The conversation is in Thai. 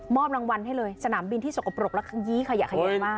รางวัลให้เลยสนามบินที่สกปรกและขยี้ขยะขยันมาก